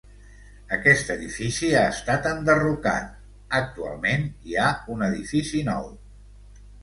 Aquest edifici ha estat enderrocat, actualment hi ha un edifici nou.